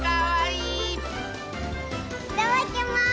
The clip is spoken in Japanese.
いただきます！